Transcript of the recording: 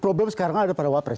problem sekarang ada pada wapres